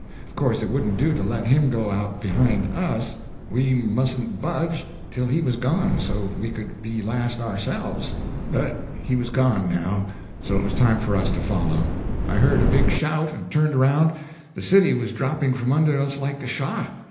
Of course it wouldn't do to let him go out behind us. We mustn't budge till he was gone, so we could be last ourselves. But he was gone now, so it was time for us to follow. I heard a big shout, and turned around—the city was dropping from under us like a shot!